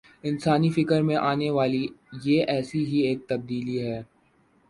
انسانی فکر میں آنے والی یہ ایسی ہی ایک تبدیلی ہے۔